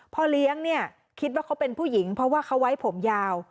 พ่อเลี้ยงเนี่ยคิดว่าเขาเป็นผู้หญิงเพราะว่าเขาไว้ผมยาว